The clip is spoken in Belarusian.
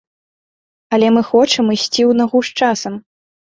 Але мы хочам ісці ў нагу з часам.